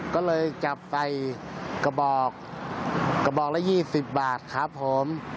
ก็เลยจับใส่กระบอกกระบอกละ๒๐บาทครับผม